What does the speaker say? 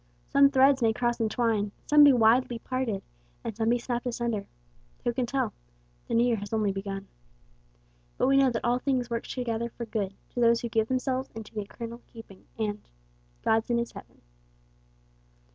Some threads may cross and twine, some be widely parted, and some be snapped asunder. Who can tell? The new year has only begun. But we know that all things work together for good to those who give themselves into the eternal keeping, and "God's in his heaven."